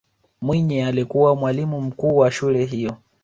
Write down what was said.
mwinyi alikuwa mwalimu mkuu wa shule hiyo